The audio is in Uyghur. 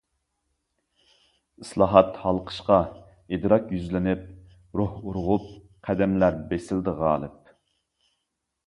ئىسلاھات، ھالقىشقا، ئىدراك يۈزلىنىپ، روھ ئۇرغۇپ، قەدەملەر بېسىلدى غالىپ.